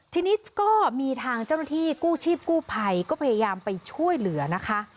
ทีนี้ก็มีทางเจ้าหน้าที่กู้ชีพกู้ภัยก็พยายามไปช่วยเหลือนะคะ